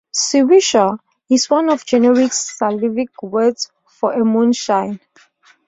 Siwucha is one of the generic Slavic words for a moonshine.